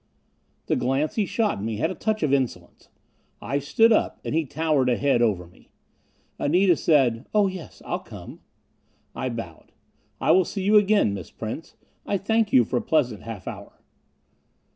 The glance he shot me had a touch of insolence. I stood up, and he towered a head over me. Anita said, "Oh yes. I'll come." I bowed. "I will see you again, Miss Prince. I thank you for a pleasant half hour."